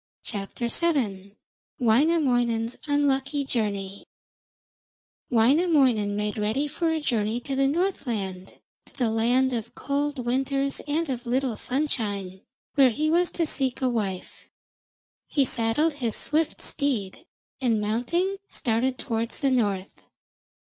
WAINAMOINEN'S UNLUCKY JOURNEY Wainamoinen made ready for a journey to the Northland, to the land of cold winters and of little sunshine, where he was to seek a wife. He saddled his swift steed, and mounting, started towards the north.